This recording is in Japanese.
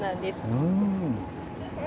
うん。